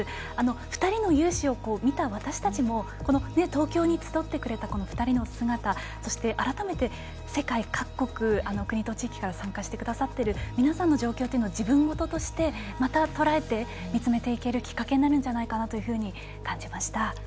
２人の雄姿を見た私たちも東京に集ってくれたこの２人の姿そして改めて世界各国の国と地域から参加してくださっている皆さんの状況というのは自分ごととして、またとらえて見つめていけるきっかけになるんじゃないかなと感じました。